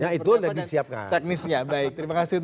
ya itu udah disiapkan